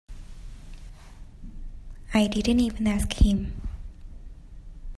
I didn't even ask him.